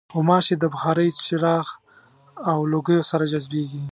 غوماشې د بخارۍ، څراغ او لوګیو سره جذبېږي.